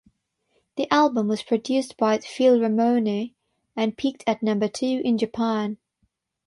The album was produced by Phil Ramone and peaked at number two in Japan.